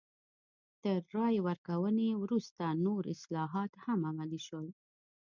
تر رایې ورکونې وروسته نور اصلاحات هم عملي شول.